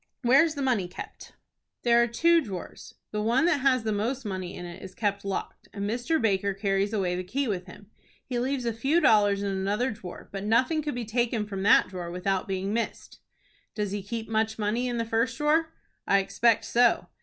"Where is the money kept?" "There are two drawers. The one that has the most money in it is kept locked, and Mr. Baker carries away the key with him. He leaves a few dollars in another drawer, but nothing could be taken from that drawer without being missed." "Does he keep much money in the first drawer?" "I expect so."